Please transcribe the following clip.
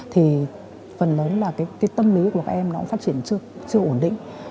thì phần lớn là cái tâm lý của các em nó cũng phát triển chưa ổn định